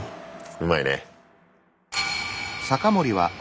うまいね。